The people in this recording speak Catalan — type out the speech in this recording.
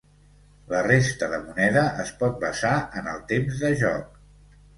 La resta de moneda es pot basar en el temps de joc.